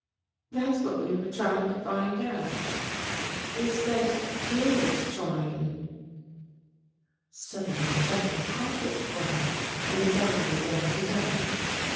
That's what we were trying to find out. We spent years trying." Suddenly Jeffrey caught his breath and his eyes lighted up.